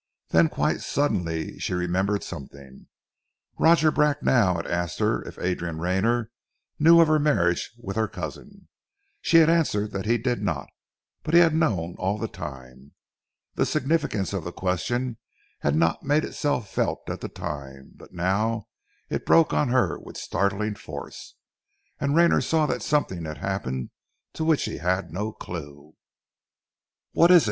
Then quite suddenly she remembered something. Roger Bracknell had asked her if Adrian Rayner knew of her marriage with her cousin. She had answered that he did not, but he had known all the time! The significance of the question had not made itself felt at the time, but now it broke on her with startling force, and Rayner saw that something had happened to which he had no clue. "What is it?"